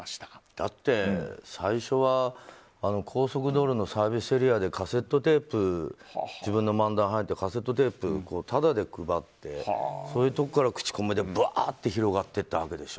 だって、最初は高速道路のサービスエリアで自分の漫談が入っているカセットテープをタダで配ってそういうところから口コミで広まっていったわけでしょ。